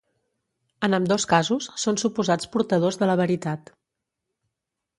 En ambdós casos, són suposats portadors de la veritat.